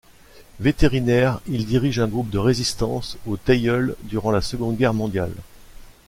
Vétérinaire, il dirige un groupe de résistance au Teilleul durant la Seconde Guerre mondiale.